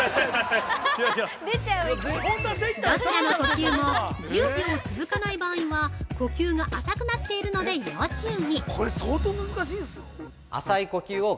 ◆どちらの呼吸も１０秒続かない場合は呼吸が浅くなっているので要注意！